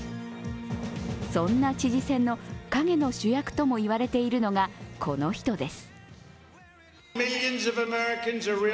そんな知事選の陰の主役とも言われているのが、この人です。